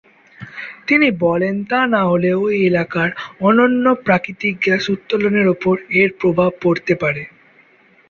তিনি বলেন তা না হলে ওই এলাকার অন্যন্য প্রাকৃতিক গ্যাস উত্তোলনের উপর এর প্রভাব পরতে পারে।